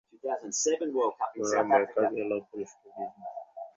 ওরা দেখা গেল পুরস্কার বিতরণীর দিন এসে এখানে লুঙ্গির মেলা বসিয়ে দিল।